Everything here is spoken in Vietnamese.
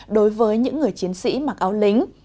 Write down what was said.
đối với những người chiến sĩ mặc áo lính